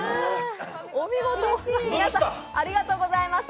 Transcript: お見事、皆さん、ありがとうございました。